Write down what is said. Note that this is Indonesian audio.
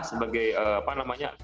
sebagai apa namanya